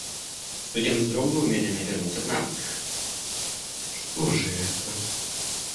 Студент вздрогнул и медленно обернулся к нам: — Что же это?